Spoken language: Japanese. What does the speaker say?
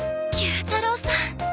球太郎さん。